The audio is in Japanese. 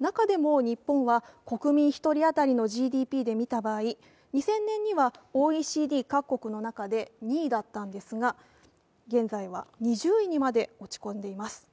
中でも日本は国民１人当たりのＧＤＰで見た場合、２０００年にはＯＥＣＤ各国の中で２位だったのですが、現在は２０位にまで落ち込んでいます。